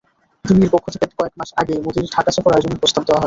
দিল্লির পক্ষ থেকে কয়েক মাস আগেই মোদির ঢাকা সফর আয়োজনের প্রস্তাব দেওয়া হয়।